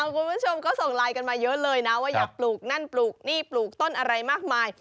คุณผู้ชมก็ส่งไลน์กันมาเยอะเลยนะว่าอยากปลูกนั่นปลูกนี่ปลูกต้นอะไรมากมาย